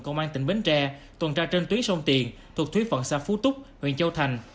công an tỉnh bến tre tuần tra trên tuyến sông tiền thuộc thúy phận xa phú túc huyện châu thành